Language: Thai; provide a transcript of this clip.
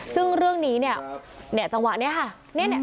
ซึ่งเรื่องนี้เนี่ยเนี่ยจังหวะเนี่ยค่ะ